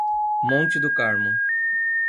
Monte do Carmo